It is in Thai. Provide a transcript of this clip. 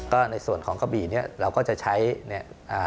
ก็ในส่วนของกระบี่นี่เราก็จะใช้เท่งยี่สะอาด